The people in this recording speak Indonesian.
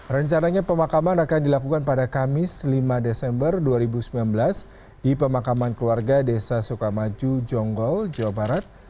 rencananya pemakaman akan dilakukan pada kamis lima desember dua ribu sembilan belas di pemakaman keluarga desa sukamaju jonggol jawa barat